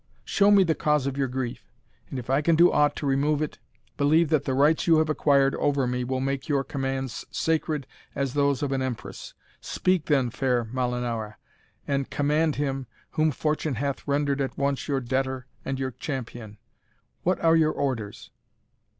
Show me the cause of your grief, and if I can do aught to remove it, believe that the rights you have acquired over me will make your commands sacred as those of an empress. Speak, then, fair Molinara, and command him whom fortune hath rendered at once your debtor and your champion. What are your orders?"